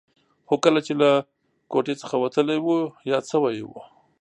خو کله چې له کوټې څخه وتلی و یاد شوي یې و.